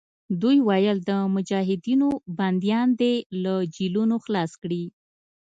دوی ویل د مجاهدینو بندیان دې له جېلونو خلاص کړي.